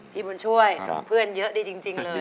พี่บุญช่วยเพื่อนเยอะดีจริงเลย